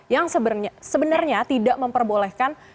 yang sebenarnya tidak memperbolehkan